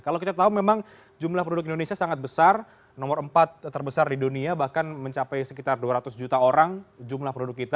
kalau kita tahu memang jumlah penduduk indonesia sangat besar nomor empat terbesar di dunia bahkan mencapai sekitar dua ratus juta orang jumlah penduduk kita